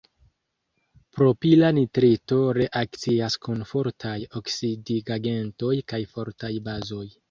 Propila nitrito reakcias kun fortaj oksidigagentoj kaj fortaj bazoj.